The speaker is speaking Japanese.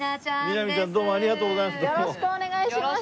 みなみちゃんどうもありがとうございます。